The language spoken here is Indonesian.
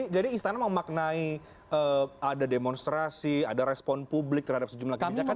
jadi istana mau maknai ada demonstrasi ada respon publik terhadap sejumlah kebijakan ini